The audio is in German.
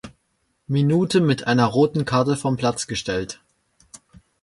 Minute mit einer Roten Karte vom Platz gestellt.